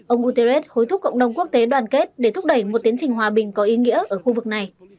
ông guterres hối thúc cộng đồng quốc tế đoàn kết để thúc đẩy một tiến trình hòa bình có ý nghĩa ở khu vực này